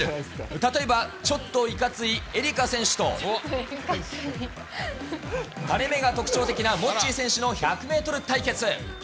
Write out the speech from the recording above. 例えば、ちょっといかつい愛花選手と、垂れ目が特徴的なモッチー選手の１００メートル対決。